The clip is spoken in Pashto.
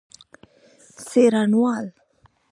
څېړنوال